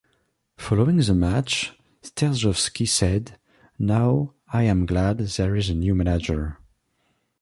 Following the match, Sterjovski said: Now I am glad there is a new manager.